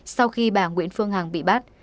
sau khi bà nguyễn phương hằng bị bắt